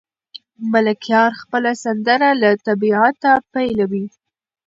ملکیار خپله سندره له طبیعته پیلوي.